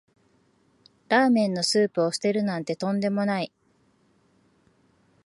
ラーメンのスープを捨てるなんてとんでもない